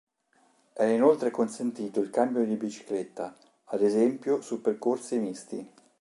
È inoltre consentito il cambio di bicicletta, ad esempio su percorsi misti.